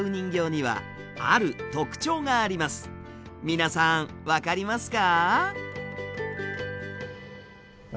皆さん分かりますか？